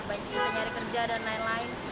banyak susah nyari kerja dan lain lain